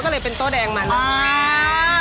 ก็เลยเป็นโต๊ะแดงมาแล้ว